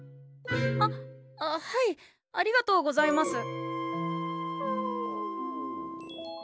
あっはいありがとうございます。